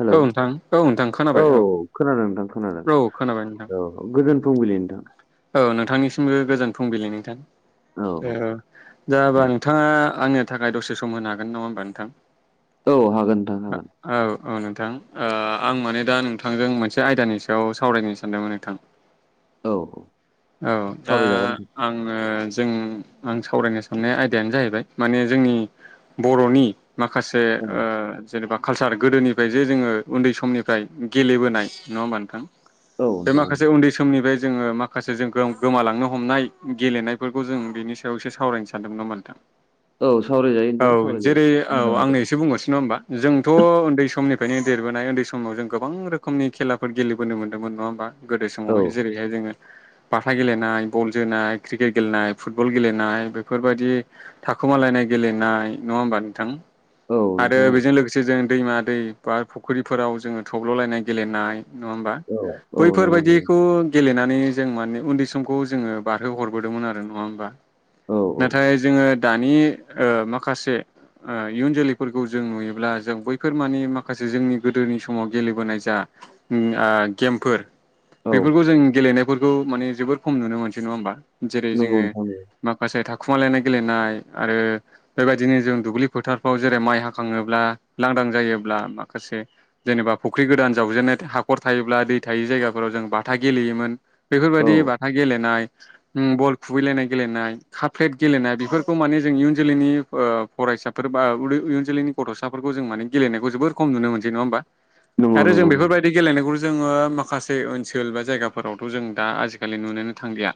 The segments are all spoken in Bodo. हेलौ औ नोंथां औ नोंथां औ खोनाबाय खोनादों नोंथां खोनादों औ खोनाबाय नोंथां औ गोजोन फुंबिलि नोथां औ नोंथांनिसिमबो गोजोन फुंबिलि नोंथां औ दा हाबा नोंथाङा आंनि थाखाय दसे सम होनो हागोन नङा होमबा नोंथां औ हागोन नोंथां हागोन औ औ नोंथां आं माने दा नोंथांजों मोनसे आयदानि सायाव सावरायनो सानदोंमोन नोंथां। औ औ औ दा सावरायजागोन आङो जों आं सावरायनो साननाय आयदायानो जाहैबाय माने जोंनि बर'नि माखासे नोंथां जेनेबा कालसार गोदोनिफ्राय जे जोङो उन्दै समनिफ्राय गेलेबोनाय नङा होमबा नोंथां? औ बे माखासे नोंथां उन्दै समनिफ्राय जोङो माखासे माखासे जों गोमालांनो हमनाय गेलेनायफोरखौ जों बेनि सायाव एसे सावरायनो सानदोंमोन नोंथां। औ औ सावरायजायो नोंथां औ सावरायजायो जेरै मोजां औ आयदा आंनो एसे बुंगोरनोसै नङा होमबा? जोंथ' उन्दै समनिफ्रायनो देरबोनाय उन्दै समाव जों गोबां रोखोमनि खेलाफोर गेलेबोनो मोनदोंमोन नङा होमबा? गोदो औ समावहाय जेरैहाय जोङो बाथा गेलेनाय बल जोनाय क्रिकेट गेलेनाय फुटबल गेलेनाय बेफोरबायदि थाखोमालायनाय गेलेनाय नङा होमबा नोंथां? औ आरो नोंथां बेजों लोगोसे जों दैमा दै बा फुख्रिफोराव जोङो थब्ल'लायनाय गेलेनाय नङा होमबा औ औ बैफोरबायदिखौ गेलेनानै जों माने उन्दै सम जोङो बारहो हरदोंमोन आरो नङा होनबा? नाथाय जोङो दानि माखासे इयुन जोलैफोरखौ जों नुयोब्ला जों बैफोर मानिे माखासे जोंनि गोदोनि समाव गेलेबोनाय जा गेमफोर औ बेफोरखौ जों गेलेनायफोरखौ माने जोोबद खम नुनो मोनसै नङा होमबा जेरै नंगौ जोङो नंगौ माखासे थाखुमालायनाय गेलेनाय आरो बेबायदिनो जों दुब्लि फोथारफ्राव जेरै माइ हाखङोब्ला लांदां जायोब्ला माखासे जेनेबा फुख्रि गोदान जावजेननाय हाखर थायोब्ला दै थायो जायगाफोराव जों बाथा गेलेयोमोन। औ बेफोरबायाददि बाथा गेलेनाय बल खुबैलायनाय गेलेनाय काफ्लेट गेलेनाय बेफोरखौ माने जों इयुन जोलैनि फरायसाफोर बा उयुन जोलैनि गथ'साफोरखौ जों मान गेलेनाय जोबोर खम नुनो मोनसै नङा होमबा नोंथां? नंगौ आरो जों नोंथां बेफोरबायदि गेलेनायखौ जोङो माखासे ओनसोल बा जायगाफोराव थ जों दा आजिखालि नुनोनो थांलिया।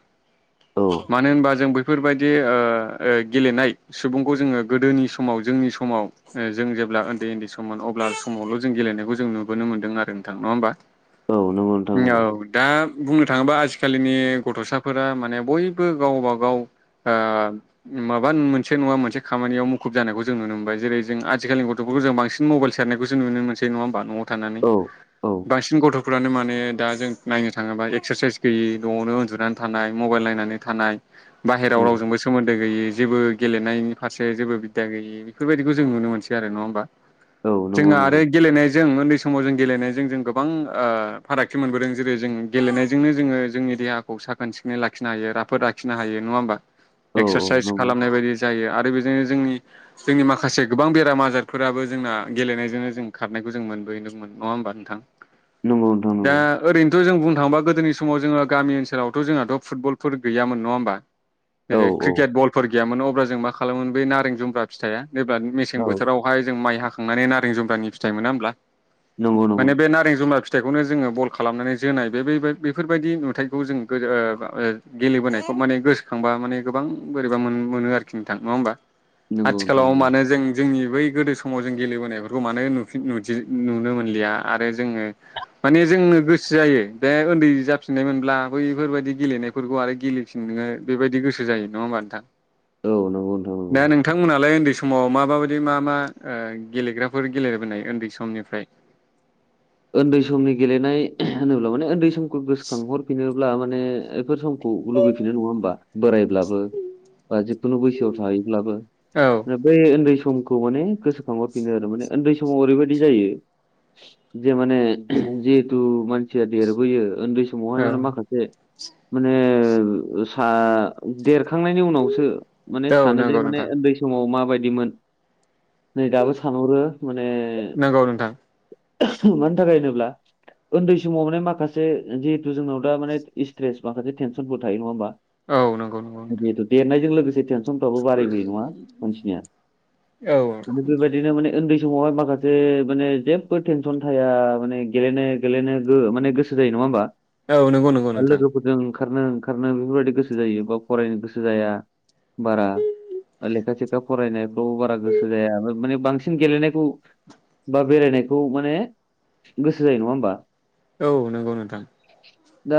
औ मानो होनबा जों बैफोरबायदि गेलेनाय सुबुंखौ जोङो गोदोनि समाव जोंनि समाव जों जेब्ला उन्दै उन्दै सममोन अब्ला समावल' जों गेलेनायखौ जों नुबोनो मोनदों आरो नोंथां नङा होमबा? नंगौ नंगौ नंगौ, औ दा बुंनो थाङोब्ला आजिखालिनि गथ'साफोरा माने बयबो गावबा गाव ओ माबा मोनसे नङा मोनसे खामानियाव मुखुब जानायखौ जों नुनो मोनबाय जेरै जों आजिखाालनि गथ'फोरखौ जों बांसिन मबल सेरनायखौसो नुनो मोनसै नङा होनबा न'आव थानानै औ औ बांसिन गथ'फ्रानो माने दा जों नायनो था थाङोबा एक्सारसाइस गैयि न'आवनो उन्दुनानै थानाय मबाइल नायनानै थानाय बाहेरायाव रावजोंबो सोमोन्दो गैयै जेबो गेलेनायनि फारसे जेबो बिदा गैयि बेफोरबायदिखौ जों नुनो मोनसै आरो नङा होमबा? जोंहा आरो गेलेनाय जों उन्दै समाव जों गेलेनायजों जों गोबां फारागथि मोनबोदों जेरै जों गेलेनायजोंनो जोङो जोंनि देहाखौ साखोन सिखोनै लाखिनो हायो राफोद लाखिनो हायो नङा होमबा? एक्सारसाइस खालामनाय बायदि जायो आरो बेजोंनो जोंनि जोंनि माखासे गोबां बेराम आजारफोराबो जोंना गेलेनायजोंनो जों खारनायखौ जों मोनबोहैदोंमोन। नङा हबा नोंथां नंगौ नोंथां दा नंगौ ओरैनोथ' जों बुं थांबा गोदोनि समाव जोङ गामिओनोलाव' जोंहाथ फुटबलफोर गैयामोन नङा होनबा? औ जेरै औ क्रिकेट बलफोर गैयामोन अब्ला जों मा खालामोमोन बै नारें जुम्ब्रा फिथाइआ जेब्ला मेसें औ बोथोराव बेावहाय जों माइ हाखांनानै नारें जुमब्रानि फिथाइ मोना हब्ला नंगौ नंगौ औ नंगौ नोंथां नंगौ औ नंगौ माने बे नारें जुमरा फिथाइखौनो जोङो बल खालामनानै जोनाय बे बेफोरबायदि नुथायखौ जों गेलेबोनायखौ माने गोसोखांबा माने गोबां बोरैबा मोनो आरोखि नोंथां नङा होमबा नोंथां आथिखालाव नंगौ मानो जों जोंनि बै गोदो समाव जों गेलेबोनायफोरखौ मानो निनु नुनो मोनलिया आरो जोङो माने जोंनो गोसो जायो। बे उन्दै जाफिननायमोनब्ला बैफोरबायाददि गेलेनायफोरखौ आरो गेलेफिन नोङो बेबायदि गोसो जायो नङा होमबा नोंथां? [inaudible] औ नंगौ नथां दा नंगौमोन। नोंथांमोनालाय उन्दै समाव मा माबायदि मा मा गेलेग्राफोर गेलेबोनाय उन्दै समनिफ्राय? उन्दै समनि गेलेनाय होनोब्ला माने उन्दै समखौ गोसोखांहरफिनो ब्ला माने बेफोर समखौ लुबैफिनाय नङा होमबा बोराय अब्लाबो जिखुनु बैसोआव थायोब्लाबो औ बे उन्दै समखौ माने गोसोखांबाफिनो आरो माने उन्दै समाव ओरैबायदि जायो। जे माने जिहेथु मानसिया देरबोयो उन्दै समावहाय औ माने माखासे माने सा देरखांनायनि उनावसो माने औ सानो जे नंगौ माने नोंथां उन्दै समाव माबायदिमोन नै दाबो सानहरो माने नंगौ नोंथां मानि थाखाय होनोब्ला उन्दै समाव माने माखासे जिहेथु जोंनाव दा माने स्ट्रेस माखासे टेनसनफोरबो थायो नङा होमबा? औ नंगौ नंगौ नोंथां बेथ' देरनायजों लोगोसे फ्रो बारायबो नङा मानसिया औ दा बेफोरबायदिनो उन्दै समावहाय माखासे माने जेबो टेनसन थाया माने गेलेनो गेलेनो माने गोसो जायो नङा होमबा? औ नंगौ नंगौ नोंथां फोरफोरजों ओंखारनो ओंखारनो बेफोरबायदि गोसो जायो बा फरायनो गोसो जाया बारा लेखा थेखा फरायनायफ्रावबो बारा गोसो जाया माने बांसिन गेलेनायखौ बा बेरायनायखौ माने गोसो जायो नङा होनबा? औ नंगौ नोंथां दा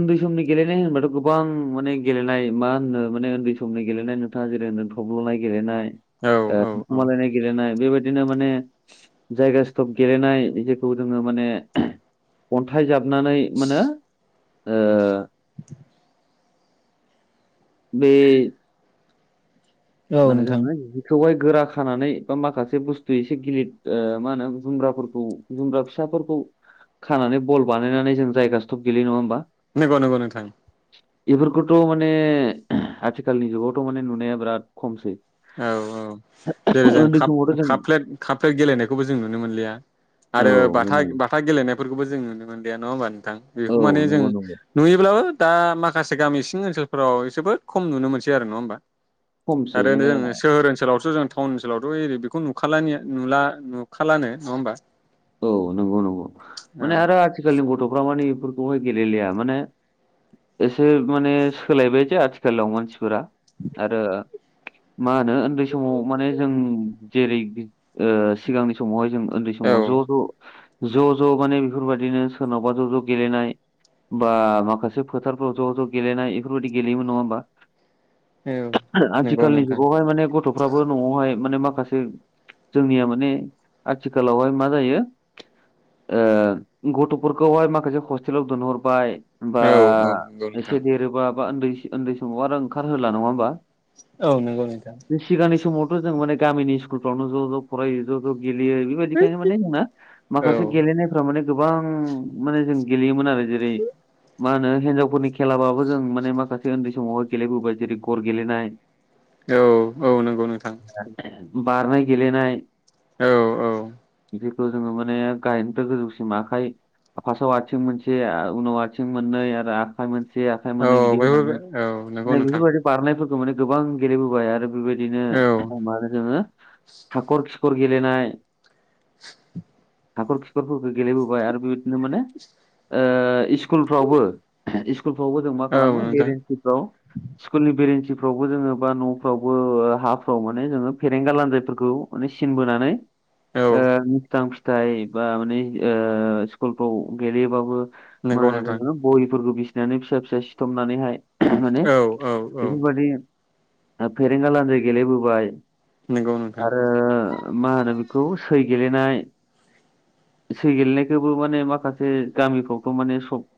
उन्दै समनि गेलेनाय होनोबाथ' गोबां माने गेलेनाय मा होननो माने उन्दै समनि गेलेनाय [unintelligible] थब्ल'नाय गेलेनाय औ ओ औ थाखुमालायनाय गेलेनाय बेबायदिनो माने जायगा स्टप गेलेनाय जेखौ जोङो माने अन्थाइ जाबनानै मानो ओ [inaudible] बे औ मानो जों नोंथां बेखौ थहाइ गोरा खानानै बा माखासे बुस्थु एसे गिलिर ओ मा होनो जुमग्राफोरखौ जुमग्रा फिसाफोरखौ खानानै बल बानायनानै जों जायगासोथब गेलेयो नङा होमबा? नंगौ नंगौ नोंथां बेफोरखौथ' माने आथिखालनि जुगावथ' माने नुनाया बिराद खमसै। औ औ जेरै जों उन्दै काप समावथ' जों काप फ्लेट गेलेनायखौबो जों नुनो मोनलिया। औ आरो बाथा मोनो बाथा गेलेनायफोरखौबो जों नुनो मोनलिया नङा होमबा नोंथां औ बेखौ माने जों नंगौ नंगौ नुयोब्लाबो दा माखासे गामि सिं ओनसोलफोराव जोबोद खम नुनो मोनसै आरो नङा होमबा? खमसै ओैरैनो माने जों सोहोर ओनसोलावसो जों टाउन ओनसोलावथ' ओरै बेखौ नुला नुखालानो नङा होमबा औ नंगौ नंगौ माने आरो आथिखालनि गथ'फ्रा माने बेफोरखौहाय गेलेलिया माने एसे माने सोलायबाय जे आथिखालाव मानसिफोरा आरो मा होनो उन्दै समाव माने जों जेरै ओ सिगांनि समावहाय जों उन्दै औ समाव ज' ज' ज' ज' माने बेफोरबायदिनो सोरनावबा ज' ज' गेलेनाय बा माखासे फोथारफ्राव ज' ज' गेलेनाय बेफोरबायदि गेलेयोन नङा होमबा नंगौ आथिखालनि नोंथां जुगावहाय माने गथ'फ्राबो न'आवहाय माने माखासे जोंनिया माने आथिखालावहाय मा जायो ओ गथ'फोरखौहाय माखासे हस्टेलाव दोनहरबाय होमबा औ औ नंगौ नोंथां एसे देरोबा बा उन्दै उन्दै समाव आरो ओंखारहोला नङा होमबा औ नंगौ नोंथां सिगांनि समावथ' जों माने गामिनि स्कुलफ्रावनो ज' ज' फरायो ज' ज' गेलेयो बेबायदिखायनो माने जोंना औ माखासे गेलेनायफ्रा माने गोबां माने जों गेलेयोमोन आरो जेरै मा होनो हिनजावफोरनि खेलाबाबो जों माने माखासे उन्दै समावहाय गेलेबोबाय जेरै गर गेलेनाय औ औ नंगौ नोंथां बारनाय गेलेनाय औ औ थ' जोङो माने गायनोथ' गोजौसि माखाय फासआव आथिं मोनसे उनाव आथिं मोननै आरो आखाइ मोनसे ए आखाइ औ मोननै बिदि बयबो होलांनाय औ नंगौ माने नोंथां बेफोरबायदि बारनायफोरखौ माने गोबां गेलेबोबाय आरो बेबायदिनो औ मानो जोङो हाखर खिखर गेलेनाय [inaudible] हाखर खिखरफोरखौ गेलेबोबाय आरो बेबायदिनो माने [inaudible] ओ स्कुलफ्रावबो स्कुलफ्रावबो जों मा औ खालामो नोंथां बेरेन्सिफ्राव स्कुलनि बेरेन्थिफ्रावबो जोङो बा न'फ्रावबो हाफ्राव माने जोङो फेरेंगा लान्जायफोरखौ माने सिन बोनानै ओ औ मिस्थां फिथाइ बा माने ओ स्कुलफ्राव गेलेयोबाबो मा नंगौ होनो नोंथां जोङो बहिफोरखौ बिसिनानै फिसा फिसा सिथमनानैहाय माने औ औ औ बेफोरबादि ओ फेरेंगा लानजाय गेलेबोबाय नंगौ नोंथां आरो मा होनो बेखौ सै गेलेनाय सै गेलेनायखौबो माने माखासे गामिफ्रावथ' माने सब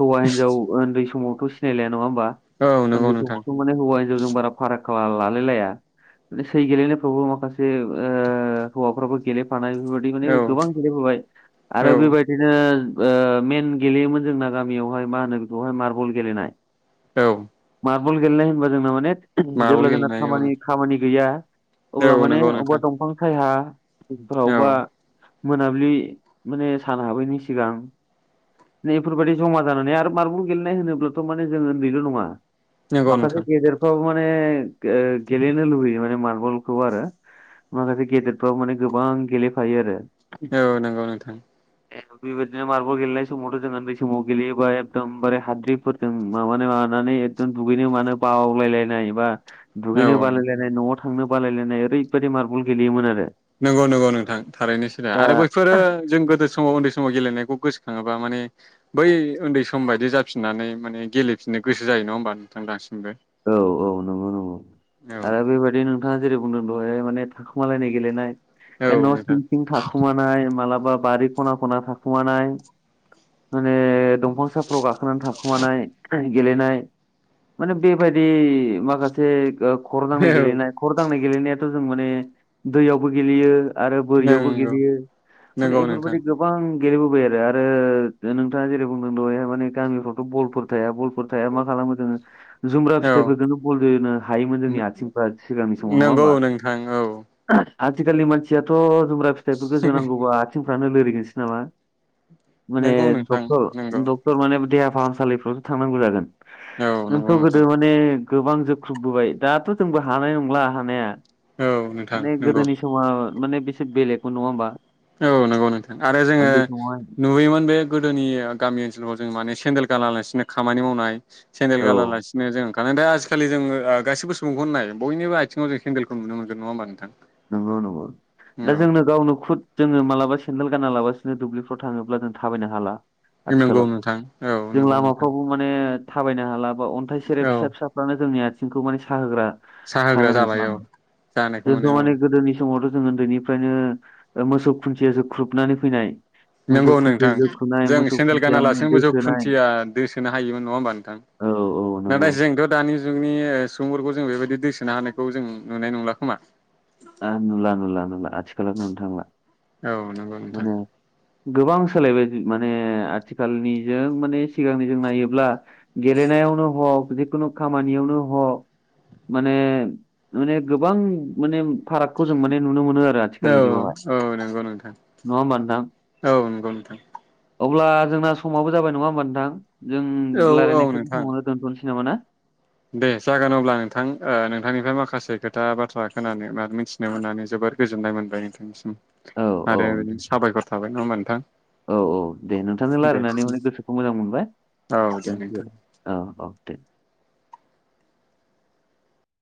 हौवा हिनजाव उन्दै समावथ' सिनायलाया नङा होमबा औ नंगौ उन्दै नोंथां समावथ' माने हौवा हिनजावजों बारा फाराग लालाय लाया सै गेलेनायफ्रावबो माखासे ओ हौवाफ्राबो गेलेफानाय बेफोरबायदि माने औ गोबां गेलेबोबाय आरो औ बेबायदिनो ओ मेन गेलेयोमोन जोंना गामियावहाय मा होनो बेखौहाय मार्बल गेलेनाय औ मारबल गेलेनाय होनबा जोंना माने मार्बल जेब्ला जोंना गेलेनाय औ खामानि खामानि गैया नोंथां अब्ला औ माने नंगौ अबेबा नोंथां दंफां सायहा फ्रावबा औ मोनाबिलि माने सान हाबैनि सिगां बेफोरबायदि जमा जानानै आरो मारबुं गेलेनाय होनोब्लाथ' माने जों उन्दैल' नङा नंगौ माखासे नोंथां गेदेरफ्राबो माने गेलेनो लुबैयो माने मार्बलखौ आरो माखासे गेदेरफ्राव माने गोबां गेलेफायो आरो औ नंगौ नोंथां बेबायदिनो मार्बल गेलेनाय समावथ' जों उन्दै समाव गेलेयोबा एकदमबारे हाद्रिफोरजों माबानाय मानानै दुगैनो मानो बावलायलायनायबा दुगैनो औ बालायलायनाय न'आव थांनो बालायलायनाय ओरैबायदि मारबल गेलेयोमोन आरो नंगौ नंगौ नोंथां थारैनोसो दा आरो बै बफोरो जों गोदो समाव उन्दै समाव गेलेनायखौ गोसोखाङोबा माने बै उन्दै सम बायदि जाफिननानै माने गेलेफिननो गोसो जायो नङा होमबा नोंथां दासिमबो औ औ नंगौ नंगौ आरो बेबायदि नों थाङा जेरै बुंदों दहाय माने थाखुमालायनाय गेलेनाय औ न' औ नोंथां सिं सिं थाखुमानाय मालाबा बारि खना खना थाखुमानाय माने दंफांसाफ्राव गाखोनानै थाखोमानाय गेलेनाय माने बेबायदि माखासे ओ खर' दांनाय औ गेलेनाय खर' दांनाय गेलेनायाथ' जों माने दैयावबो गेलेयो आरो बोरियावबो नंगौ गेलेयो माने नंगौ नोंथां बेफोरबादि गो गोबां गेलेबोबाय आरो नोंथाङा जेरै बुंदों दहयहाय माने गामिफ्रावथ' बलफोर थाया बलफोर थाया मा खालामो जोङो जुमब्रा औ फिथाइफोरखौनो बलजोनो हायोमोन जोंनि आथिंफ्रा सिगांनि समाव नङा नंगौ होमबा नोंथां औ आथिखालनि मानसियाथ' जुमब्रा फिथाइफोरखौ जोनांगौबा आथिंफ्रानो लोरिगोनसो नामा माने नंगौ नोंथां डक्टर नंगौ डक्टर माने देहा फाहामसालिफ्रावथ' थांनांगौ जागोन औ नों जोंथ' गोदो माने गोबां जोख्रुबबोबाय दाथ' जोंबो हानाय नंला हानाया औ नोंथां माने नंगौ गोदोनि समाव माने बेसे बेलेगबो नङा होमबा औ नंगौ नोंथां आरो जोङो उन्दै समावहाय नुबोयोमोन बे गोदोनि गामि ओनसोलफ्राव जों माने सेन्देल गालासिनो खामानि मावनाय सेन्देल औ गानालासिनो जों दानाथ' आजिखालि ओ जोङो गासैबो सुबुंखौनो नाय बयनिबो आथिङाव जों केन्देलखौ नुनो मोनगोन नङा होमबा नोंथां नंगौ नंगौ औ दा जोंनो गावनो खुद जोङो मालाबा सेन्देल गानालासिनो दुब्लिफ्राव थाङोब्ला जों थाबायनो हाला नंगौ आथिखालाव नोंथां औ जों नंगौ नोंथां लामाफ्रावबो माने थाबायनो हाला बा अन्थाइ सेरेब औ फिसा फिसाफ्रानो जोंनि आथिंखौ माने साहोग्रा साहा होग्रा जाबाय औ जानाय औ माने गोदोनि समावथ' जों उन्दैनिफ्रायनो मोसौ खुन्थिया जोख्रुबनानै फैनाय नंगौ मोसौ खुन्थिया नोंथां जोख्रुबनाय जों मोसौ सेन्देल खुन्थिया माने गानालासेनोबो जों दोखोनाय खुन्थिया दोसोनो हायोमोन नङा होमबा नोंथां औ औ नंगौ नाथाय जोंथ' दानि जुगनि सुबुंफोरखौ जों बेबायदि दोसोनो हानायखौ जों नुनाय नंला खोमा आ नुला नुला नुला आथिखालाव नुनो थांला औ नंगौ नोंथां मोनो गोबां सोलायबाय माने आथिखालनिजों माने सिगांनि जों नायोब्ला गेलेनायावनो हक जिखुनु खामानियावनो हक माने माने गोबां माने फारागखौ जों माने नुनो मोनो आरो आ औ औ नंगौ नोंथां नङा होमबा नोंथां औ नंगौ नोंथां अब्ला जोंना समाबो जाबाय नङा होमबा नोंथां जों औ औ रायलायनायखौ बे नोंथां समावनो दोन्थ'नोसै नामा ना? दे जागोन अब्ला नोंथां ओ नोंथांनिफ्राय माखासे खोथा बाथ्रा खोनानो मानो मिथि नो मोननानै जोोबोर गोजोननाय मोनबाय नोंथांनिसिम औ औ आरो बिदिनो साबायखर थाबाय नङा होनबा नोंथां औ औ दे नोंथांजों दे रायलायनानै माने गोसोखौ मोजां मोनबाय औ ओम नोंथां दे औ अ दे